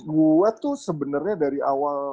gue tuh sebenarnya dari awal